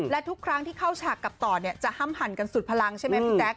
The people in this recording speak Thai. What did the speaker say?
และทุกครั้งที่เข้าฉากกลับต่อเนี่ยจะห้ำหั่นกันสุดพลังใช่ไหมพี่แจ๊ค